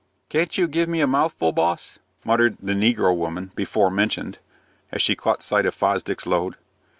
"Can't you give me a mouthful, boss?" muttered the negro woman before mentioned, as she caught sight of Fosdick's load.